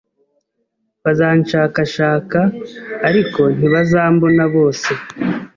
bazanshakashaka ariko ntibazambona bose